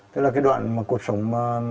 tức là cái đoạn mà cột sống